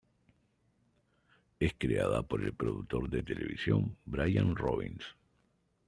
Es creada por el productor de televisión Brian Robbins.